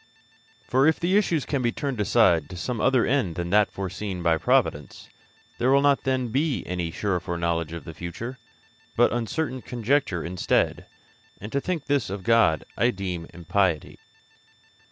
For if the issues can be turned aside to some other end than that foreseen by providence, there will not then be any sure foreknowledge of the future, but uncertain conjecture instead, and to think this of God I deem impiety.